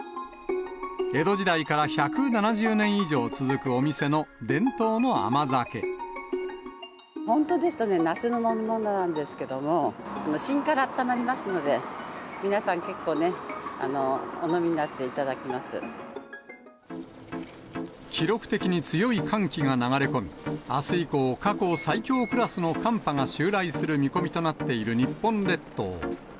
江戸時代から１７０年以上続本当ですと、夏の飲み物なんですけれども、しんからあったまりますので、皆さん、結構ね、記録的に強い寒気が流れ込み、あす以降、過去最強クラスの寒波が襲来する見込みとなっている日本列島。